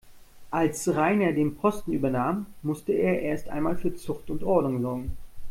Als Rainer den Posten übernahm, musste er erst einmal für Zucht und Ordnung sorgen.